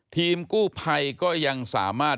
ทีมกู้ภัยก็ยังสามารถ